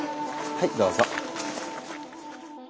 はいどうぞ。